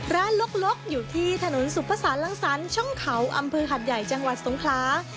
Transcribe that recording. ลกอยู่ที่ถนนสุภาษาลังสรรคช่องเขาอำเภอหัดใหญ่จังหวัดสงคลา